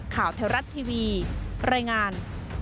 ข่าวเทวรัฐทีวีรายงาน